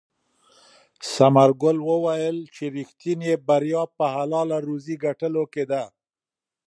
ثمرګل وویل چې ریښتینې بریا په حلاله روزي ګټلو کې ده.